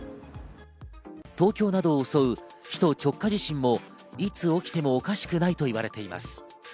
東京などを襲う、首都直下地震もいつ起きてもおかしくないと言われています。